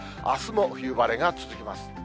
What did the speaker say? あすも冬晴れが続きます。